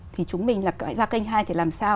thì chúng mình là kênh hai thì làm sao